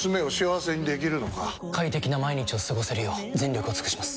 快適な毎日を過ごせるよう全力を尽くします！